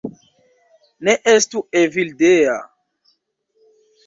Ne estu Evildea